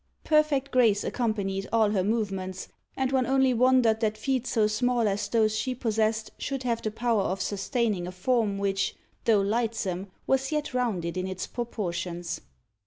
Perfect grace accompanied all her movements, and one only wondered that feet so small as those she possessed should have the power of sustaining a form which, though lightsome, was yet rounded in its proportions.